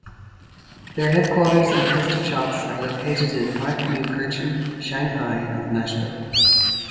Their headquarters and custom shops are located in Markneukirchen, Shanghai, and Nashville.